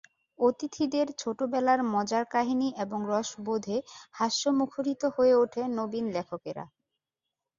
অতিথিদের ছোটবেলার মজার কাহিনি এবং রসবোধে হাস্য মুখরিত হয়ে ওঠে নবীন লেখকেরা।